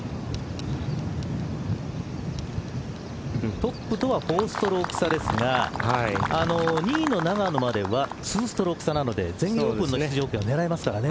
トップとは４ストローク差ですが２位の永野までは２ストローク差なので全英オープンの出場権は狙えますからね。